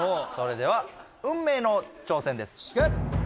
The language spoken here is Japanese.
それでは運命の挑戦です